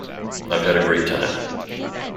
I've had a great time.